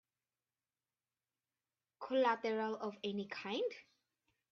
Collateral of any kind?